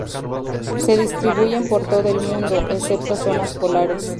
Se distribuyen por todo el mundo, excepto zonas polares.